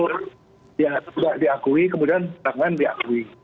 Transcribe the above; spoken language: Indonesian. tidak diakui kemudian tak lain diakui